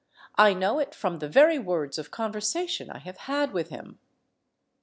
I know it from the very words of conversation I have had with him."